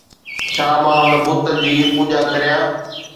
ڇا مان هن بت جي پوڄا ڪريان؟